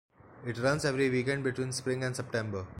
It runs every weekend between spring and September.